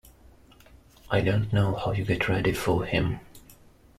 I don't know how you get ready for him.